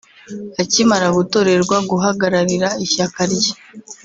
Akimara gutorerwa guhagararira ishyaka rye